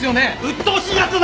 うっとうしいやつだな！